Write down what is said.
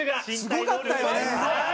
すごかったよね。